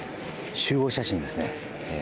集合写真ですね。